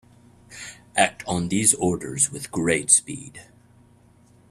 Act on these orders with great speed.